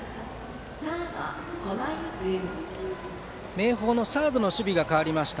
明豊のサードの守備が変わりました。